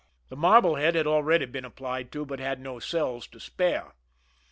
The MarUehead had already been applied to, but had no cells to spare.